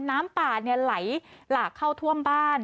น้ำป่าไหลหลากเข้าท่วมบ้าน